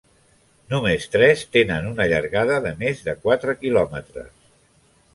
Només tres tenen una allargada de més de quatre quilòmetres.